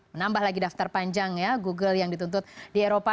menambah lagi daftar panjang ya google yang dituntut di eropa